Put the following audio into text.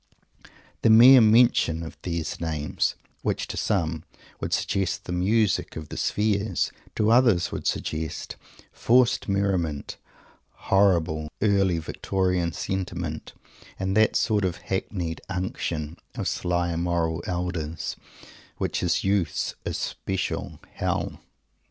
The mere mention of these names, which, to some, would suggest the music of the spheres, to others would suggest forced merriment, horrible Early Victorian sentiment, and that sort of hackneyed "unction" of sly moral elders, which is youth's especial Hell.